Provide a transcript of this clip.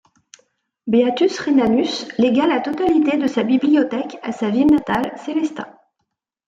Beatus Rhenanus légua la totalité de sa bibliothèque à sa ville natale Sélestat.